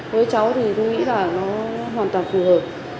với cháu thì tôi nghĩ là nó hoàn toàn phù hợp